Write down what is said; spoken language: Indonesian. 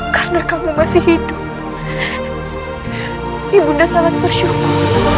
karena kamu masih hidup ibu nda sangat bersyukur